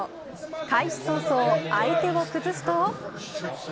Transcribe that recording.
開始早々相手を崩すと。